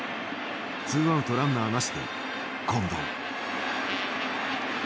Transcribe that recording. ツーアウトランナーなしで近藤。